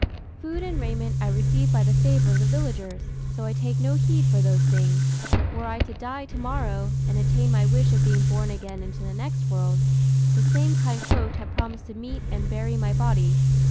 Food and raiment I receive by the favour of the villagers, so I take no heed for those things. Were I to die to morrow, and attain my wish of being born again into the next world, the same kind folk have promised to meet and bury my body.